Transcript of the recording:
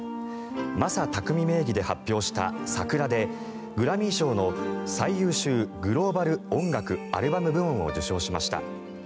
ＭａｓａＴａｋｕｍｉ名義で発表した「Ｓａｋｕｒａ」でグラミー賞の最優秀グローバル音楽アルバム部門を受賞しました。